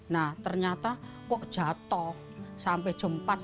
nah ternyata kok jatuh sampai jam empat pulang